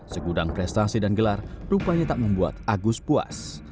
segudang prestasi dan gelar rupanya tak membuat agus puas